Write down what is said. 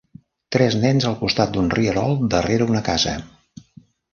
Tres nens al costat d'un rierol darrere una casa.